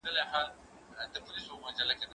زه کولای سم کتابتوني کار وکړم